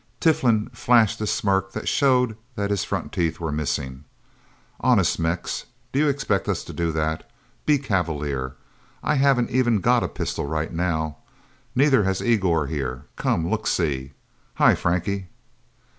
Tiflin flashed a smirk that showed that his front teeth were missing. "Honest, Mex do you expect us to do that? Be cavalier I haven't even got a pistol, right now. Neither has Igor, here. Come look see... Hi, Frankie!"